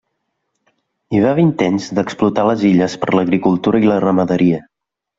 Hi va haver intents d'explotar les illes per l'agricultura i la ramaderia.